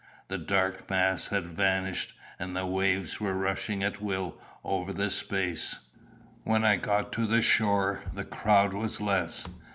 The dark mass had vanished, and the waves were rushing at will over the space. When I got to the shore the crowd was less.